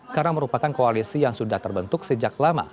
karena merupakan koalisi yang sudah terbentuk sejak lama